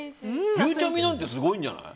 ゆうちゃみなんてすごいんじゃない？